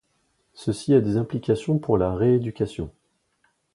Ceci a des implications pour la rééducation.